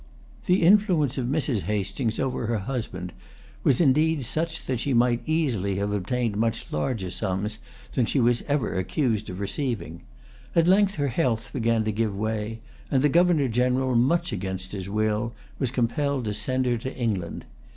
The influence of Mrs. Hastings over her husband was indeed such that she might easily have obtained much larger sums than she was ever accused of receiving. At length her health began to give way; and the Governor General, much against his will, was compelled to send her to England.